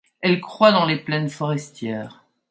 Elle croît dans les plaines forestières.